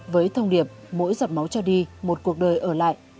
với thông điệp mỗi giọt máu cho đi một cuộc đời ở lại